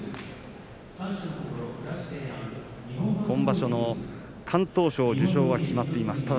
今場所の敢闘賞受賞は決まっています。